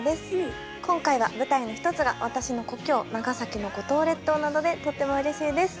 今回は舞台の一つが私の故郷長崎の五島列島なのでとってもうれしいです。